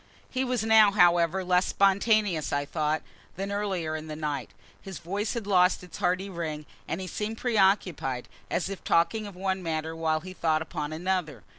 He was now, however, less spontaneous, I thought, than earlier in the night. His voice had lost its hearty ring, and he seemed preoccupied, as if talking of one matter while he thought upon another.